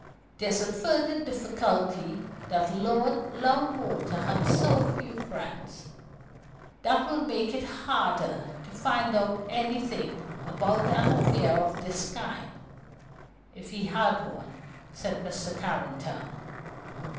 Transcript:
"There's the further difficulty that Lord Loudwater had so few friends. That will make it harder to find out anything about an affair of this kind if he had one," said Mr. Carrington.